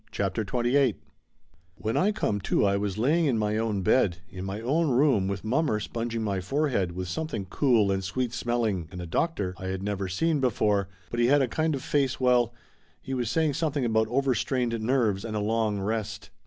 CHAPTER XXVIII TT 7HEN I come to I was laying in my own bed, in my own room with mommer sponging my forehead with something cool and sweet smelling, and a doctor I had never seen before but he had a kind face, well, he was saying something about overstrained nerves and a long rest.